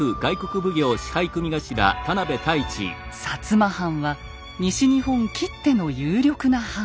摩藩は西日本きっての有力な藩。